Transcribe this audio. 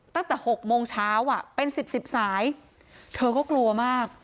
ตั้งแต่๖โมงเช้าอ่ะเป็นสิบสิบสายเธอก็กลัวมาก